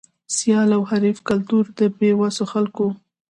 سیال او حریف کلتور د بې وسو خلکو و.